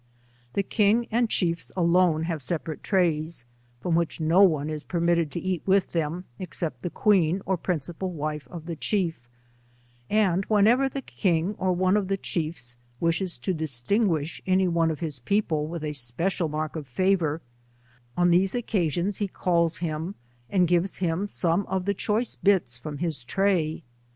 The king and chiefs alone have separate trays, from which no one is permitted to eat with them, except the qieen, or principal wife of the chief, and whenever tie king or one of the chiefs wishes to distinguish any of his people with a special mark of fav'oar on these occasions, he calls him and gives him some of the choice bits from his tray.